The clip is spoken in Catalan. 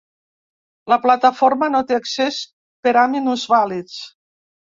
La plataforma no té accés per a minusvàlids.